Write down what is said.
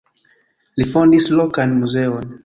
Li fondis lokan muzeon.